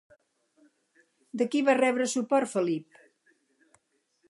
De qui va rebre suport Felip?